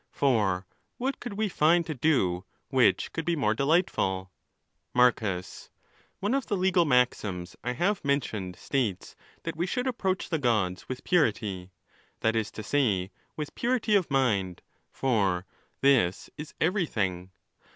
For what could we find to do which could be more delightful ! Marcus.—One of the legal maxims I heve mentioned, states, that we should approach the gods with purity,—that is to say, with purity of mind, for this is everything.